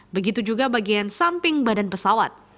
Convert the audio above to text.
begitu juga bagian samping badan pesawat